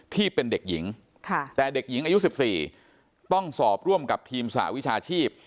ที่เป็นเด็กหญิงแต่เด็กหญิงอายุ๑๔ต้องสอบร่วมกับทีมสหวิชาชีพ